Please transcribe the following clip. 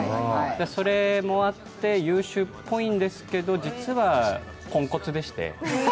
それもあって、優秀っぽいんですけれども、実は、ぽんこつでして。